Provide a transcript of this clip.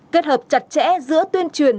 kết hợp chặt chẽ giữa tuyên truyền